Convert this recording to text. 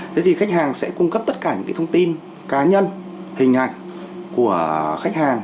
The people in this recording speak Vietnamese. thế thì khách hàng sẽ cung cấp tất cả những cái thông tin cá nhân hình ảnh của khách hàng